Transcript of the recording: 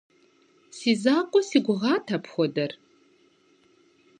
Си закъуэ си гугъат апхуэдэр.